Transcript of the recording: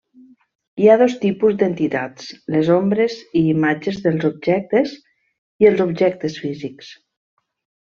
Hi ha dos tipus d'entitats: les ombres i imatges dels objectes, i els objectes físics.